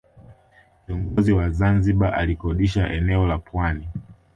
Kiongozi wa Zanzibar alikodisha eneo la pwani